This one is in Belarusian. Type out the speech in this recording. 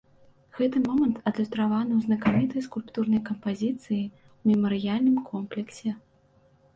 Гэты момант адлюстраваны ў знакамітай скульптурнай кампазіцыі ў мемарыяльным комплексе.